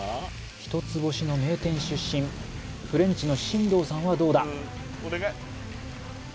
一つ星の名店出身フレンチの進藤さんはどうだ？